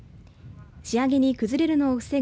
仕上げに崩れるのを防ぐ